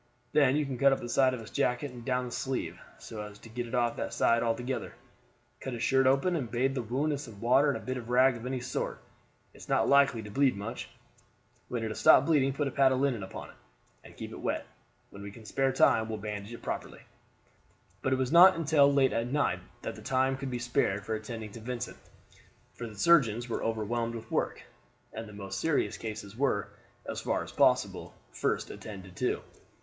Then you can cut up the side of his jacket and down the sleeve, so as to get it off that side altogether. Cut his shirt open, and bathe the wound with some water and bit of rag of any sort; it is not likely to bleed much. When it has stopped bleeding put a pad of linen upon it, and keep it wet. When we can spare time we will bandage it properly." But it was not until late at night that the time could be spared for attending to Vincent; for the surgeons were overwhelmed with work, and the most serious cases were, as far as possible, first attended to.